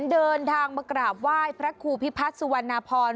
เดินทางมากราบไหว้พระครูพิพัฒน์สุวรรณพร